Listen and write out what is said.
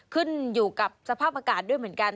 ขึ้นอยู่กับสภาพอากาศด้วยเหมือนกัน